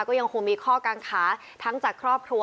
ก็ยังคงมีข้อกางขาทั้งจากครอบครัว